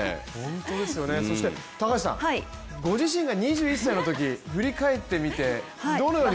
そして、高橋さん、ご自身が２１歳の時振り返ってみて、どのように。